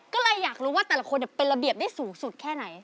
ก็เลยอยากรู้ว่าแต่ละคนเป็นระเบียบได้สูงสุดแค่ไหน